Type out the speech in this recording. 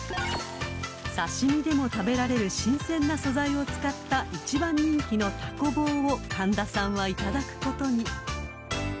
［刺し身でも食べられる新鮮な素材を使った一番人気のたこ棒を神田さんはいただくことに］